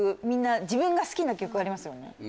みんな自分が好きな曲ありますよね